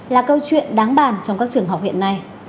là câu chuyện đáng bàn trong các trường học hiện nay